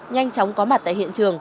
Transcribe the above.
nhanh chóng có mặt tại hiện trường